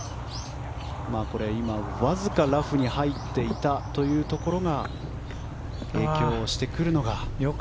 わずかラフに入っていたところが影響してくるのか。